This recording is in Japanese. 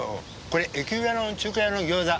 これ駅裏の中華屋の餃子。